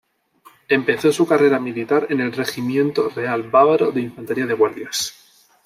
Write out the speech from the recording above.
Empezó su carrera militar en el Regimiento Real Bávaro de Infantería de Guardias.